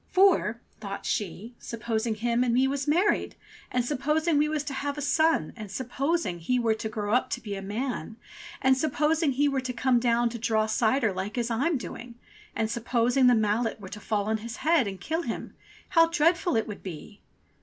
"For," thought she, "supposing him and me was married, and supposing we was to have a son, and supposing he were to grow up to be a man, and supposing he were to come down to draw cider like as I'm doing, and supposing the mallet were to fall on his head and kill him, how dreadful it would be!"